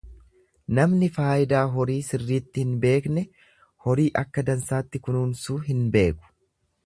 Namni faayidaa horii sirriitti hin beekne horii akka dansaatti kunuunsuu hin beeku.